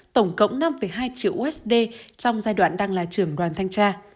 tổng cộng năm hai triệu usd trong giai đoạn đang là trưởng đoàn thanh tra